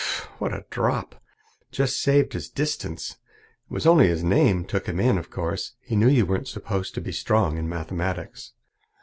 Whew! what a drop! Just saved his distance. It was only his name took him in, of course. He knew you weren't supposed to be strong in mathematics."